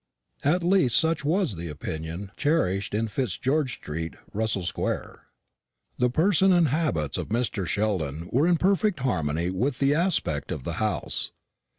At least such was the opinion cherished in Fitzgeorge street, Russell square. The person and habits of Mr. Sheldon were in perfect harmony with the aspect of the house.